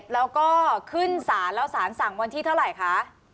แล้วก็ขึ้นศาลแล้วสารสั่งวันที่เท่าไหร่คะ